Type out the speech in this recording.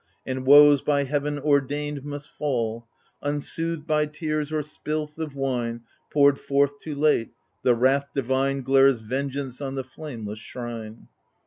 And woes, by heaven ordained, must fall — Unsoothed by tears or spilth oif wine Poured forth too late, the wrath divine Glares vengeance on the flameless shrine.